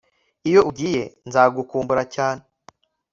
Iyo ugiye nzagukumbura cyane